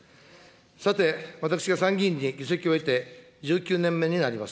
さて、私が参議院に議席を得て１９年目になります。